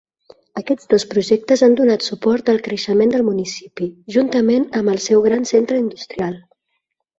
Aquests dos projectes han donat suport al creixement del municipi, juntament amb el seu gran centre industrial.